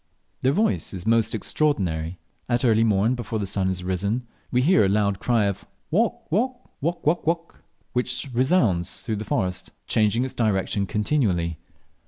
Their voice is most extraordinary. At early morn, before the sun has risen, we hear a loud cry of "Wawk wawk wawk, wók wók wók," which resounds through the forest, changing its direction continually.